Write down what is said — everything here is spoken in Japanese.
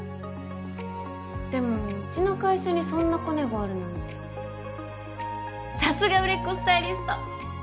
でもうちの会社にそんなコネがあるなんてさすが売れっ子スタイリスト！